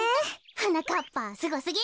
はなかっぱすごすぎる！